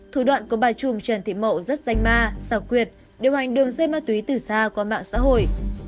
thủ đoạn của bà trùm trần thị mậu rất danh ma xào quyệt điều hành đường dây ma túy từ xa qua mạng xã hội